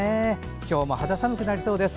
今日も肌寒くなりそうです。